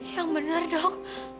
yang bener dok